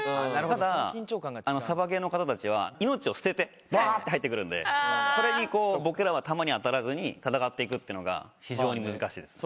ただサバゲーの方たちは命を捨ててわって入ってくるんでそれにこう僕らは弾に当たらずに戦っていくっていうのが非常に難しいです。